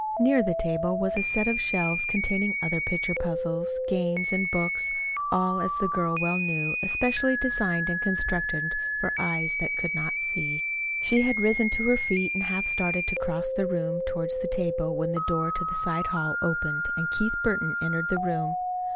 Near the table was a set of shelves containing other picture puzzles, games, and books all, as the girl well knew, especially designed and constructed for eyes that could not see. She had risen to her feet and half started to cross the room toward the table when the door to the side hall opened and Keith Burton entered the room.